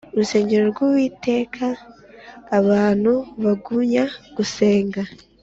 urusengero rw Uwiteka abantu bagumya gusenga